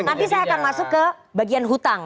nanti saya akan masuk ke bagian hutang